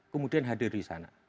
kemudian hadir di sana